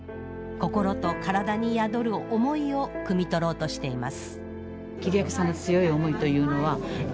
心と体に宿る思いをくみ取ろうとしています